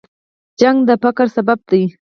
جګړه د فقر سبب ده